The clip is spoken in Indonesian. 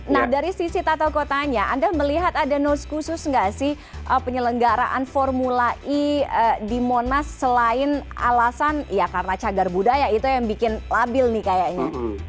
nah dari sisi tata kotanya anda melihat ada nose khusus nggak sih penyelenggaraan formula e di monas selain alasan ya karena cagar budaya itu yang bikin labil nih kayaknya